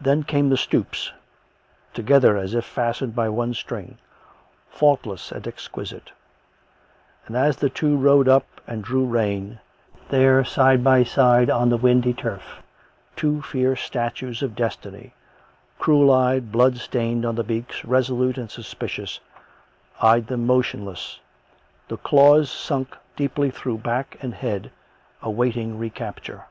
Then came the stoops — together as if fastened by one string — faultless and exquisite; and, as the two rode up and drew rein, there, side by side on the windy turf, two fierce statues of destiny — cruel eyed, blood stained on the beaks, resolute and suspicious — eyed them motionless, the claws sunk deeply through back and head — awaiting re capture.